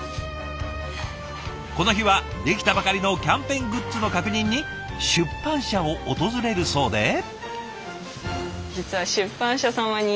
この日は出来たばかりのキャンペーングッズの確認に出版社を訪れるそうで。